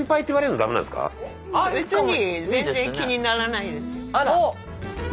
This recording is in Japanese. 別に全然気にならないですよ。